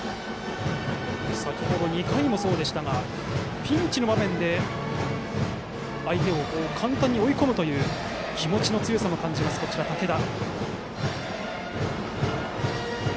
先程、２回もそうでしたがピンチの場面で相手を簡単に追い込むという気持ちの強さも感じる竹田。